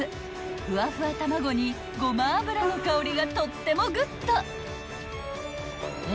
［ふわふわ卵にごま油の香りがとってもグッド］